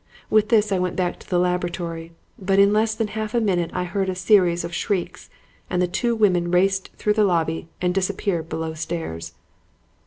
With this I went back to the laboratory; but in less than half a minute I heard a series of shrieks, and the two women raced through the lobby and disappeared below stairs.